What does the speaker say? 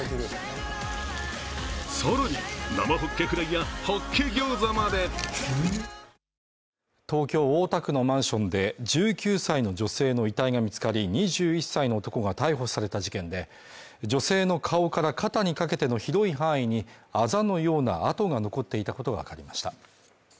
はじけすぎでしょ『三ツ矢サイダー』東京大田区のマンションで、１９歳の女性の遺体が見つかり２１歳の男が逮捕された事件で、女性の顔から肩にかけての広い範囲にあざのような痕が残っていたことがわかりました。